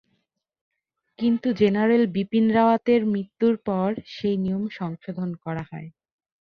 কিন্তু জেনারেল বিপিন রাওয়াতের মৃত্যুর পর সেই নিয়ম সংশোধন করা হয়।